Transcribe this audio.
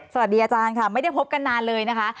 สวัสดีอาจารย์ค่ะไม่ได้พบกันนานเลยนะคะ